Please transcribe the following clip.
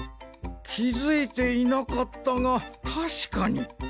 きづいていなかったがたしかに。